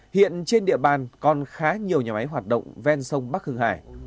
hiện trên địa bàn còn khá nhiều nhà máy hoạt động ven sông bắc hưng hải